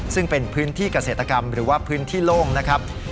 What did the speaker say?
ซึ่งเป็นพื้นที่เกษตรกรรมหรือว่าพื้นที่โล่งนะครับ